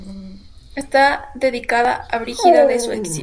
Está dedicada a Brígida de Suecia.